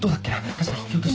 確か引き落とし。